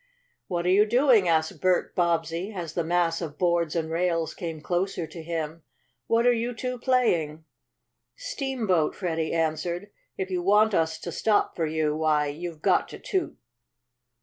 "What are you doing?" asked Bert Bobbsey, as the mass of boards and rails came closer to him. "What are you two playing?" "Steamboat," Freddie answered. "If you want us to stop for you, why, you've got to toot."